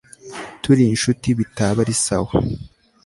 turi inshuti bitaba ari sawa